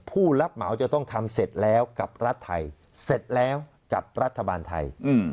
ผู้รับเหมาจะต้องทำเสร็จแล้วกับรัฐไทยเสร็จแล้วกับรัฐบาลไทย